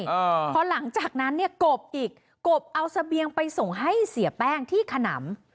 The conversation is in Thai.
พอหลังจากนั้นเนี่ยกบอีกกบเอาเสบียงไปส่งให้เสียแป้งที่ขนำ